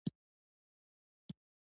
د ژبې له لارې موږ خپل تاریخ وپیژنو.